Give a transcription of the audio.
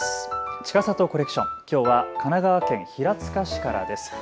ちかさとコレクション、きょうは神奈川県平塚市からです。